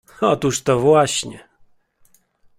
— Otóż to właśnie.